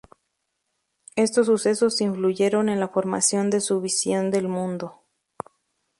Estos sucesos influyeron en la formación de su visión del mundo.